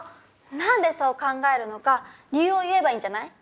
何でそう考えるのか理由を言えばいいんじゃない？